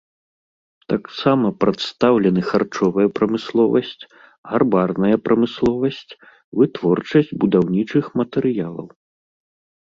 Таксама прадстаўлены харчовая прамысловасць, гарбарная прамысловасць, вытворчасць будаўнічых матэрыялаў.